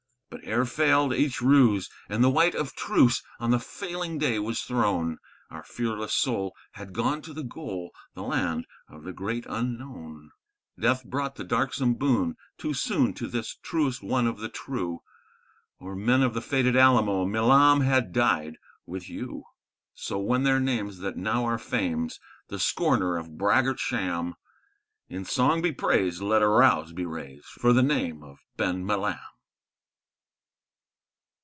But ere failed each ruse, and the white of truce on the failing day was thrown, Our fearless soul had gone to the goal, the Land of the Great Unknown. Death brought the darksome boon too soon to this truest one of the true, Or, men of the fated Alamo, Milam had died with you! So when their names that now are Fame's the scorner of braggart sham; In song be praised, let a rouse be raised for the name of Ben Milam!